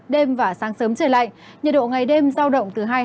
đêm và sáng sớm trời lạnh nhiệt độ ngày đêm giao động từ hai mươi hai hai mươi chín độ